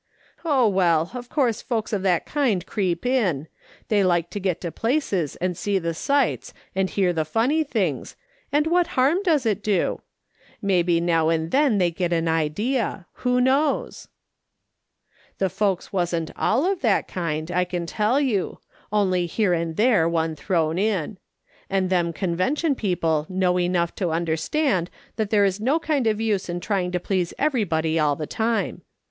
Oh, well, of course folks of that kind creep in ; they like to get to places and see the sights and hear the funny things, and what harm does it do ? Maybe now and then they get an idea ; who knows ?" The folks wasn't all of that kind, I can tell you ; only here and there one thrown in. And them Con vention people know enough to understand that there is no kind of use in trying to please everybody all the time.